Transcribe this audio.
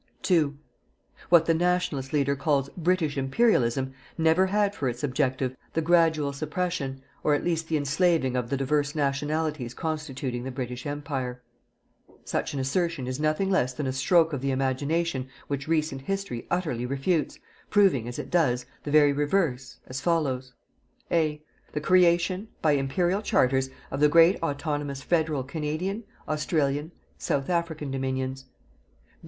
2 What the "Nationalist" leader calls British Imperialism never had for its objective the gradual suppression, or at least the enslaving of the divers nationalities constituting the British Empire. Such an assertion is nothing less than a stroke of the imagination which recent history utterly refutes, proving, as it does, the very reverse, as follows: A The creation, by Imperial Charters, of the great autonomous federal Canadian, Australian, South African Dominions.